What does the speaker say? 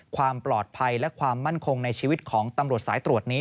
ความปลอดภัยและความมั่นคงในชีวิตของตำรวจสายตรวจนี้